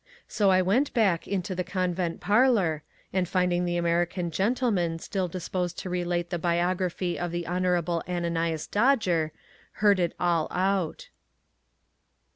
So I went back into the convent parlour, and, finding the American gentleman still disposed to relate the biography of the Honourable Ananias Dodger, heard it all out.